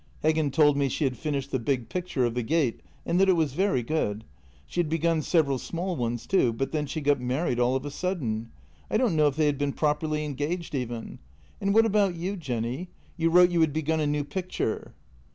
" Heggen told me she had finished the big picture of the gate, and that it was very good. She had begun several small ones too, but then she got married all of a sudden. I don't know if they had been properly engaged even. And what about you, Jenny — you wrote you had begun a new picture?"